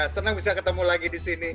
senang bisa ketemu lagi di sini